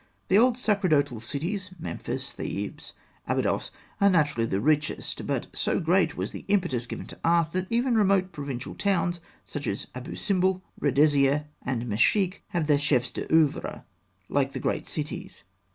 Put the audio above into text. The old sacerdotal cities, Memphis, Thebes, Abydos, are naturally the richest; but so great was the impetus given to art, that even remote provincial towns, such as Abû Simbel, Redesîyeh, and Mesheikh, have their chefs d'oeuvre, like the great cities.